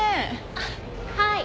あっはい。